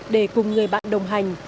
để cùng người bạn đồng hành